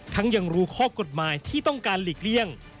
ยังรู้ข้อกฎหมายที่ต้องการหลีกเลี่ยง